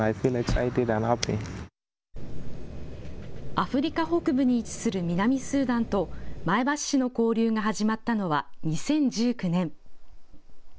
アフリカ北部に位置する南スーダンと前橋市の交流が始まったのは２０１９年。